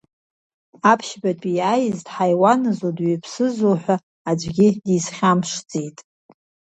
Аԥшьбатәи иааиз дҳаиуанзу дуаҩԥсызу ҳәа аӡәгьы дизхьамԥшӡеит.